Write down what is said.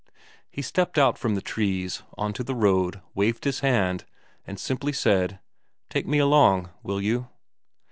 He stepped out from the trees, on to the road, waved his hand, and simply said: "Take me along, will you?"